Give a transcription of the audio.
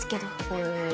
へえ。